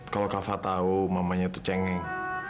kalau kak fah tahu mamanya itu cengeng